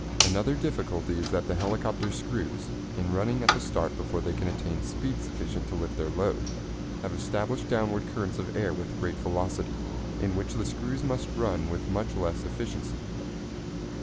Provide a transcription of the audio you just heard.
Another difficulty is that the helicopter screws, in running at the start before they can attain speed sufficient to lift their load, have established downward currents of air with great velocity, in which the screws must run with much less efficiency.